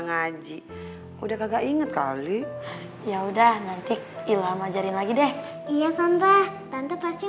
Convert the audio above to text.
ngaji udah kagak inget kali yaudah nanti ilham ajarin lagi deh iya tante tante pasti